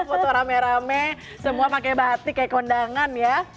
foto rame rame semua pakai batik kayak kondangan ya